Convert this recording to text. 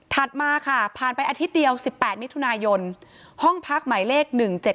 มาค่ะผ่านไปอาทิตย์เดียว๑๘มิถุนายนห้องพักหมายเลข๑๗๗